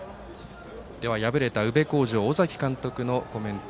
敗れた宇部鴻城の尾崎監督のコメント